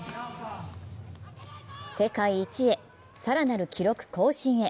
世界一へ、更なる記録更新へ。